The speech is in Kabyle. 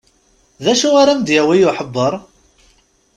D acu ara m-d-yawi uḥebber?